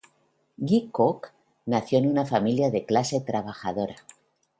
Guy Coq nació en una familia de clase trabajadora.